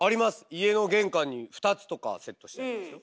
家の玄関に２つとかセットしてありますよ。